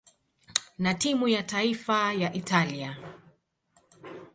na timu ya taifa ya Italia.